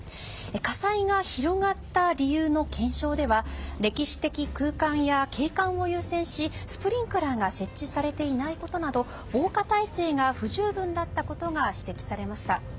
火災が広がった理由の検証では歴史的空間や景観を優先しスプリンクラーが設置されていないことなど防火体制が不十分だったことが指摘されました。